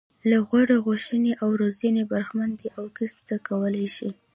له غوره ښوونې او روزنې برخمن دي او کسب زده کولای شي.